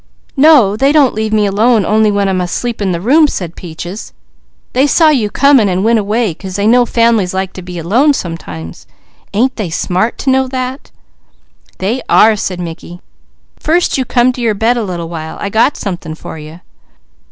"No, they don't leave me alone only when I'm asleep in the room," said Peaches. "They saw you coming an' went away 'cause they know families likes to be alone, sometimes. Ain't they smart to know that?" "They are!" said Mickey. "First, you come to your bed a little while. I got something for you."